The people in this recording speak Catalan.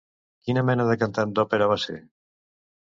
Quina mena de cantant d'òpera va ser?